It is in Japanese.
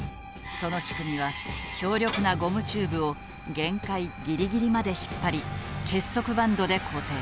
その仕組みは強力なゴムチューブを限界ギリギリまで引っ張り結束バンドで固定。